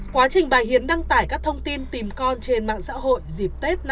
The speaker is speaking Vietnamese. quá trình bà hiền đăng tải các thông tin tìm con trên mạng xã hội dịp tết năm hai nghìn hai mươi